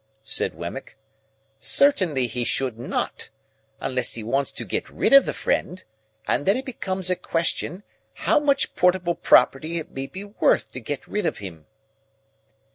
said Wemmick. "Certainly he should not. Unless he wants to get rid of the friend,—and then it becomes a question how much portable property it may be worth to get rid of him."